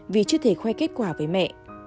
vì chưa thể khoe kết quả với mẹ